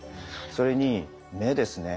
それに目ですね。